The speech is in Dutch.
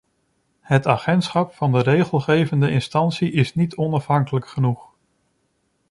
Het agentschap van de regelgevende instantie is niet onafhankelijk genoeg.